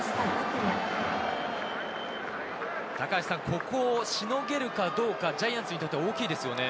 ここをしのげるかどうか、ジャイアンツにとって大きいですよね。